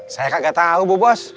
saya kagak tau bobos